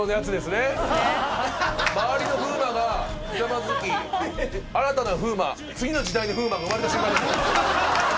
周りの風磨がひざまずき新たな風磨次の時代の風磨が生まれた瞬間ですよ。